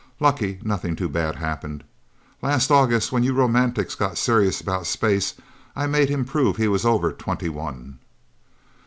Lucky nothing too bad happened. Last August, when you romantics got serious about space, I made him prove he was over twenty one..."